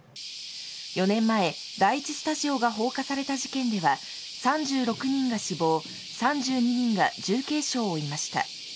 ４年前、第一スタジオが放火された事件では、３６人が死亡、３２人が重軽傷を負いました。